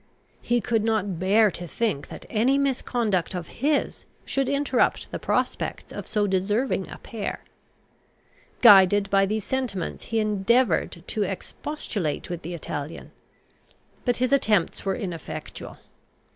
He could not bear to think that any misconduct of his should interrupt the prospects of so deserving a pair. Guided by these sentiments, he endeavoured to expostulate with the Italian. But his attempts were ineffectual.